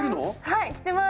はい着てます！